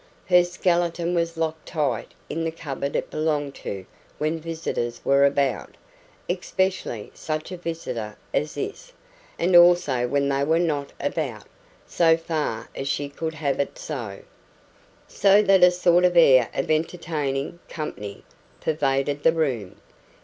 Her skeleton was locked tight in the cupboard it belonged to when visitors were about especially such a visitor as this and also when they were not about, so far as she could have it so. So that a sort of air of entertaining "company" pervaded the room.